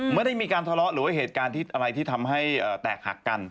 ไม่ได้มีการทะเลาะหรือว่าเหตุการณ์ที่อะไรที่ทำให้แตกหักกัน